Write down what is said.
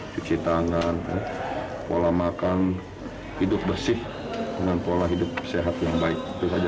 cuci tangan pola makan hidup bersih dengan pola hidup sehat yang baik itu saja